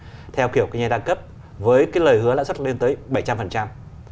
và tại sao chúng ta lại thấy ngân hàng nhà nước cảnh báo về sự biến tướng của một số công ty này đang hoạt động việt nam